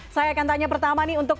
saya akan tanya pertama nih untuk